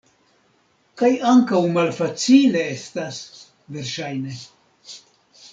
Kaj ankaŭ malfacile estas, verŝajne.